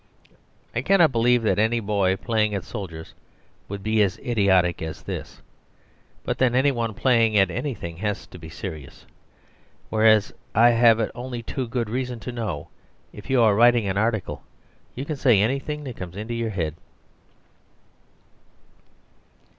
I cannot believe that any boy playing at soldiers would be as idiotic as this. But then any one playing at anything has to be serious. Whereas, as I have only too good reason to know, if you are writing an article you can say anything that comes into your head.